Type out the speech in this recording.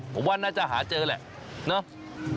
ผมว่าน่าจะหาเจอแหละเนาะ